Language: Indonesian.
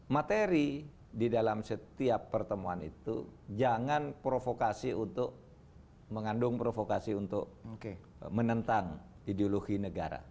materi di dalam setiap pertemuan itu jangan provokasi untuk mengandung provokasi untuk menentang ideologi negara